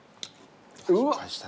うわ！